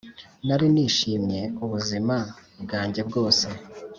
nari nishimye ubuzima bwanjye bwose.